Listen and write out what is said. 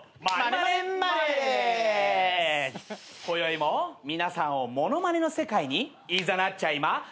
こよいも皆さんを物まねの世界にいざなっちゃいま。